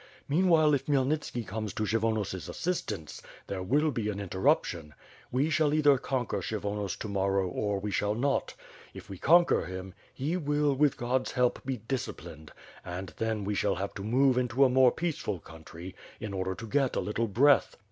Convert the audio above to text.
Meanwhile if Khmyelnitski comes to Kshyvonos' assistance, there will be an interruption. We shall either conquer Kshyvonos to morrow or we shall not. If we conquer him, he will, with God's help be disciplined; and then we shall have to move into a more peaceful country, in order to get a little breath.